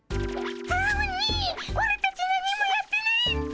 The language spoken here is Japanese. アオニイオラたち何もやってないっピ。